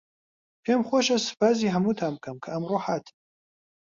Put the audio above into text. پێم خۆشە سپاسی هەمووتان بکەم کە ئەمڕۆ هاتن.